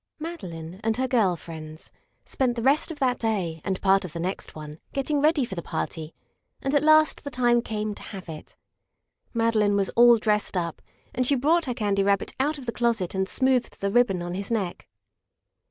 Madeline and her girl friends spent the rest of that day and part of the next one getting ready for the party, and at last the time came to have it. Madeline was all dressed up, and she brought her Candy Rabbit out of the closet and smoothed the ribbon on his neck.